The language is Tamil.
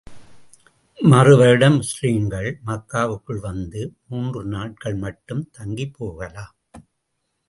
மறு வருடம் முஸ்லிம்கள், மக்காவுக்குள் வந்து மூன்று நாட்கள் மட்டும் தங்கிப் போகலாம்.